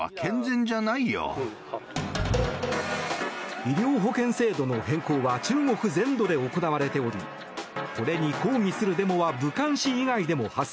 医療保険制度の変更は中国全土で行われておりこれに抗議するデモは武漢市以外でも発生。